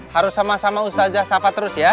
harus sama sama ustazah safa terus ya